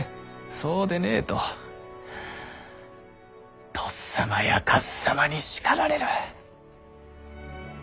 そうでねぇととっさまやかっさまに叱られる。